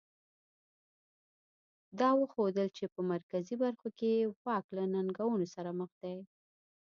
دا وښودل چې په مرکزي برخو کې یې واک له ننګونو سره مخ دی.